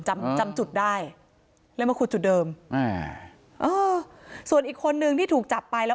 จำจำจุดได้เลยมาขุดจุดเดิมอ่าเออส่วนอีกคนนึงที่ถูกจับไปแล้ว